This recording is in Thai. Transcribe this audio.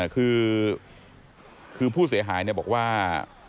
คือคือผู้เสียหายเนี่ยบอกว่า